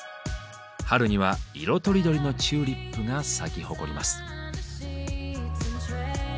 春には色とりどりのチューリップが咲き誇ります。